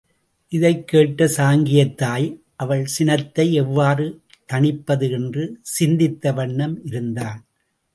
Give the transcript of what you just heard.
இதைக் கேட்ட சாங்கியத் தாய் அவள் சினத்தை எவ்வாறு தணிப்பது என்று சிந்தித்த வண்ணம் இருந்தாள்.